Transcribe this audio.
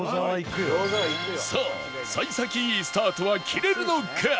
さあ幸先いいスタートは切れるのか？